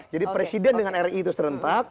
jadi presiden dengan ri itu serentak